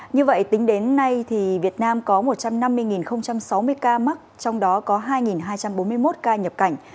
như vậy tính đến nay việt nam có một trăm năm mươi sáu mươi ca mắc trong đó có hai hai trăm bốn mươi một ca nhập cảnh